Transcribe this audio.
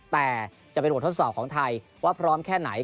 แต่จะเป็นบททดสอบของไทยว่าพร้อมแค่ไหน